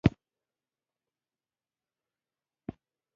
مجاهد د خدای لپاره صبر کوي.